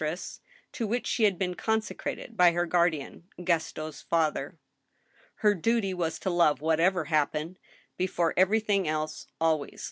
THE STEEL HAMMER. to which she had been consecrated by her guardian, Gaston's father. Her duty was to love, whatever happened, before everjrthing else, always.